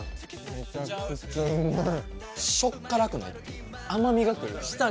めちゃくちゃうまい。